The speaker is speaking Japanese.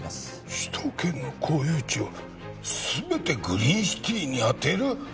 首都圏の公有地を全てグリーンシティにあてる？